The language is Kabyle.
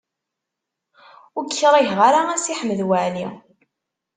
Ur k-kriheɣ ara a Si Ḥmed Waɛli.